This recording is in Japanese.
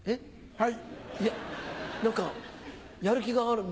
はい。